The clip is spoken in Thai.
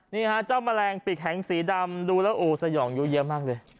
นี่ฮะเจ้าแมลงปีกแข็งสีดำดูแล้วโอ้สยองยู้เยอะมากเลย